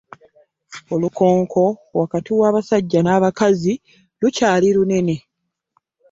Olukonko wakati wa basajja na bakazi lukyali lunene.